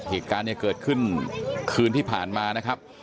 เหตุการณ์เนี่ยเกิดขึ้นคืนที่ผ่านมานะครับ